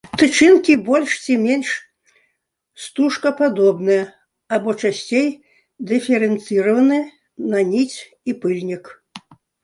Тычынкі больш ці менш стужкападобныя, або, часцей, дыферэнцыраваны на ніць і пыльнік.